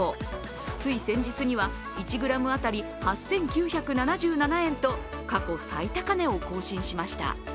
つい先日には１ｇ当たり８９７７円と過去最高値を更新しました。